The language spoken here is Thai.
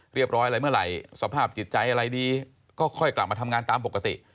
อะไรเมื่อไหร่สภาพจิตใจอะไรดีก็ค่อยกลับมาทำงานตามปกติ